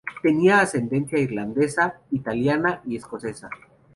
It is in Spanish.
Tenía ascendencia irlandesa, italiana y escocesa.